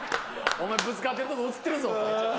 「お前ぶつかってるとこ映ってるぞ」と。